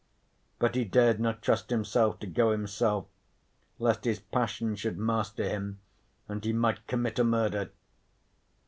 But he dared not trust himself to go himself, lest his passion should master him and he might commit a murder.